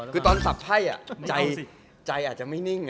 คือตอนสักไพ่ใจอาจจะไม่นิ่ง